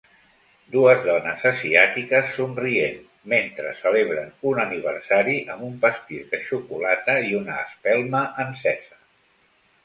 Dues dones asiàtiques somrient mentre celebren un aniversari amb un pastís de xocolata i una espelma encesa.